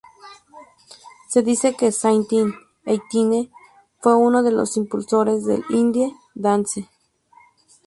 Se dice que Saint Etienne fue uno de los impulsores del Indie dance.